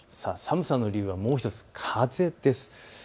寒さの理由はもう１つ、風です。